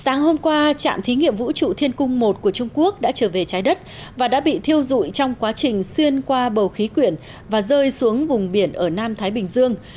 sáng hôm qua trạm thí nghiệm vũ trụ thiên cung một của trung quốc đã trở về trái đất và đã bị thiêu dụi trong quá trình xuyên qua bầu khí quyển và rơi xuống vùng biển ở nam thái bình dương